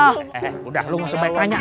eh eh udah lo gak sebanyak tanya